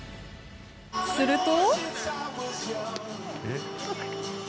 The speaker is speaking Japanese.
すると。